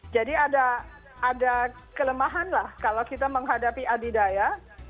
jadi ada kelemahan kalau kita menghadapi adidaya